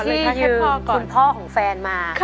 ไม่ใช่คุณพ่อของแฟนมา